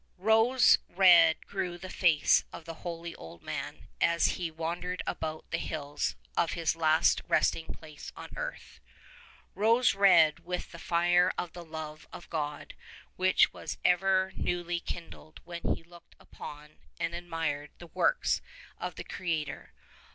Rose red grew the face of the holy old man as he wan dered about the hills of his last resting place on earth — rose 137 red with the fire of the love of God which was ever newly kindled when he looked upon and admired the works of the Creator.